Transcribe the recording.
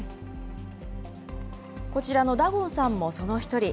こちらのダゴンさんもその１人。